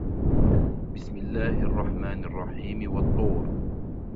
بسم الله الرحمن الرحيم والطور